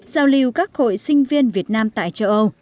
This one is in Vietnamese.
giao lưu các hội sinh viên việt nam tại châu âu